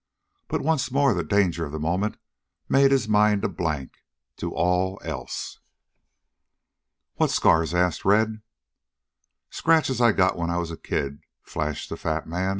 But once more the danger of the moment made his mind a blank to all else. "What scars?" asked Red. "Scratches I got when I was a kid," flashed the fat man.